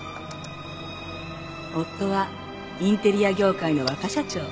「夫はインテリア業界の若社長」